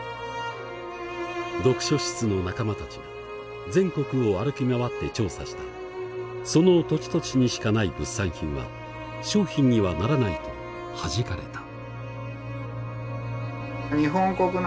読書室の仲間たちが全国を歩き回って調査したその土地土地にしかない物産品は商品にはならないとはじかれた。